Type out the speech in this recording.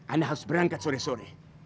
anda harus berangkat sore sore